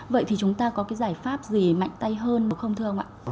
vậy thì chúng ta có cái giải pháp gì mạnh tay hơn đúng không thưa ông ạ